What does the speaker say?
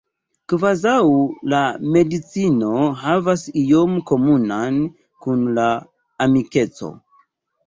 Kvazau la medicino havas ion komunan kun la amikeco.